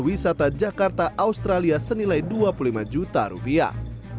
wisata jakarta australia senilai dua puluh lima juta rupiah